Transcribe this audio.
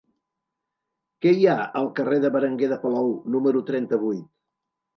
Què hi ha al carrer de Berenguer de Palou número trenta-vuit?